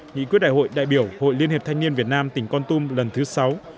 nghị quyết đại hội đại biểu hội liên hiệp thanh niên việt nam tỉnh con tum lần thứ sáu